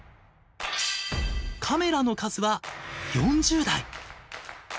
カメラの数は４０台。